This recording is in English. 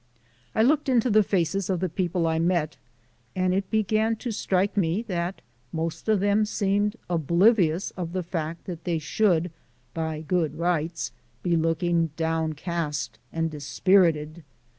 I looked into the faces of the people I met, and it began to strike me that most of them seemed oblivious of the fact that they should, by good rights, be looking downcast and dispirited.